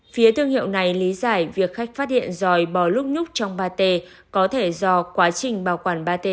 phía thương hiệu này lý giải việc khách phát hiện dòi bò lúc nhúc trong pate có thể do quá trình bảo quản pate